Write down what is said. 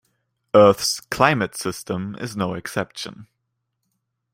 Earth's climate system is no exception.